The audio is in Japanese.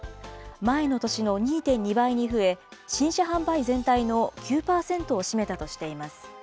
前の年の２．２倍に増え、新車販売全体の９％を占めたとしています。